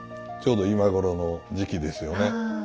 ちょうど今頃の時期ですよね。